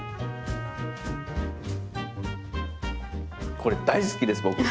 これ大好きです僕。